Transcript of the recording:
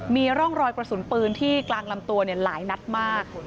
มีร่องรอยกระสุนปืนที่กลางลำตัวหลายนัดมาก